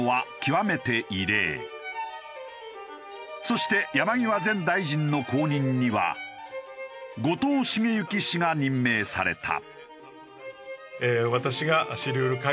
そして山際前大臣の後任には後藤茂之氏が任命された。